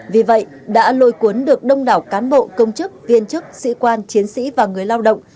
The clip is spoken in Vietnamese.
vì vậy đã lôi cuốn được đông đảo cán bộ công chức viên chức sĩ quan chiến sĩ và người lao động